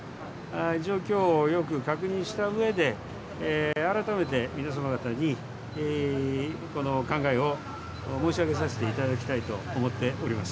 状況をよく確認したうえで改めて皆様方にこのお考えを申し上げさせていただきたいと思っております。